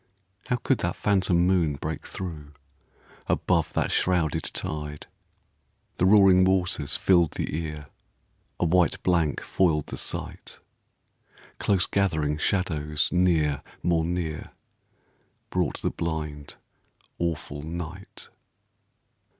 How could that phantom moon break through, Above that shrouded tide? The roaring waters filled the ear, A white blank foiled the sight. Close gathering shadows near, more near, Brought the blind, awful night.